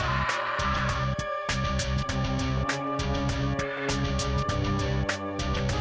aku belum mau mati